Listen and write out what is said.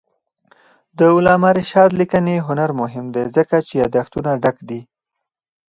د علامه رشاد لیکنی هنر مهم دی ځکه چې یادښتونه ډک دي.